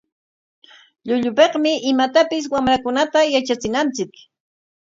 Llullupikmi imatapis wamrakunata yatrachinanchik.